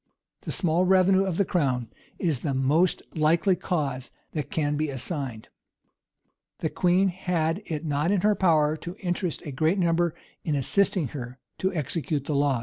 The small revenue of the crown is the most likely cause that can be assigned. The queen had it not in her power to interest a great number in assisting her to execute the laws.